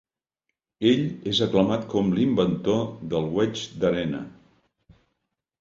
Ell és aclamat com l'inventor del wedge d'arena.